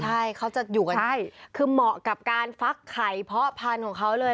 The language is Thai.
ใช่เขาจะอยู่กันใช่คือเหมาะกับการฟักไข่เพาะพันธุ์ของเขาเลย